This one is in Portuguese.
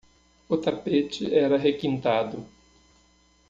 O tapete era requintado.